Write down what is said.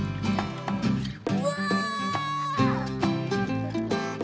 うわ！